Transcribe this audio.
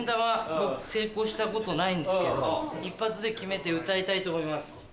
僕成功したことないんですけど１発で決めて歌いたいと思います。